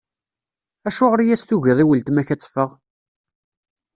Acuɣer i as-tugiḍ i weltma-k ad teffeɣ?